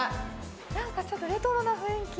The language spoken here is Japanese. なんかちょっとレトロな雰囲気。